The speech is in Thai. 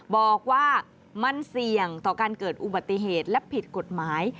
บอกว่ามันเสี่ยงต่อการเกิดอุบัติเหตุและผิดกฎหมาย